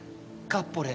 かっぽれ。